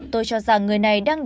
tôi cho rằng người này đang đánh